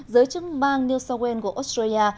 giới chứng bang new south wales của australia